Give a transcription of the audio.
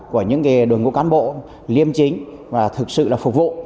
của những đội ngũ cán bộ liêm chính và thực sự là phục vụ